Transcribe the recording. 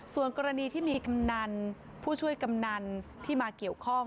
ส่วนกรณีที่มีกำนันผู้ช่วยกำนันที่มาเกี่ยวข้อง